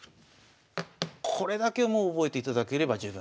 これだけもう覚えていただければ十分。